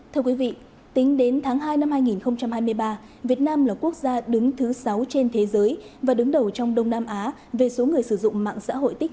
thưa quý vị tính đến tháng hai năm hai nghìn hai mươi ba việt nam là quốc gia đứng thứ sáu trên thế giới và đứng đầu trong đông nam á về số người sử dụng mạng